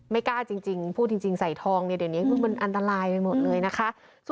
กล้าจริงพูดจริงใส่ทองเนี่ยเดี๋ยวนี้คือมันอันตรายไปหมดเลยนะคะ